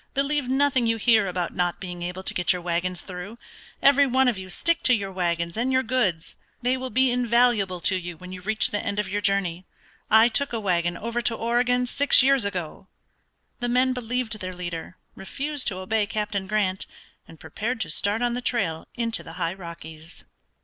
Believe nothing you hear about not being able to get your wagons through; every one of you stick to your wagons and your goods. They will be invaluable to you when you reach the end of your journey. I took a wagon over to Oregon six years ago." The men believed their leader, refused to obey Captain Grant, and prepared to start on the trail into the high Rockies.